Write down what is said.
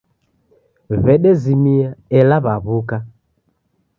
Wedezimia ela waw'uka.